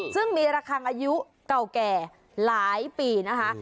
ซึ่งมีระคังอายุเก่าแก่หลายปีนะคะ